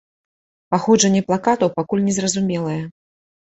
Паходжанне плакатаў пакуль незразумелае.